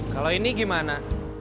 kalau ini gimana